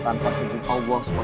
tanpa sisi allah